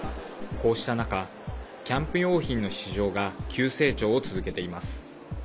こうした中キャンプ用品の市場が急成長を続けています。